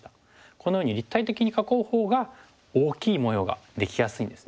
このように立体的に囲うほうが大きい模様ができやすいんですね。